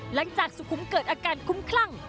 หลังจากสุขุมเกิดอาการคุ้มคลั่ง